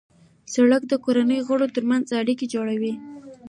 سړک د کورنۍ غړو ترمنځ اړیکه جوړوي.